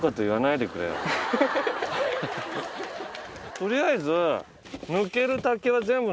取りあえず。